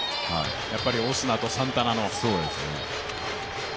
やっぱりオスナとサンタナの。